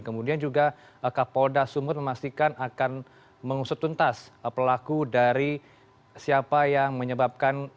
kemudian juga kapolda sumut memastikan akan mengusut tuntas pelaku dari siapa yang menyebabkan